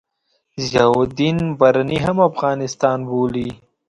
ضیاألدین برني هم افغانستان بولي.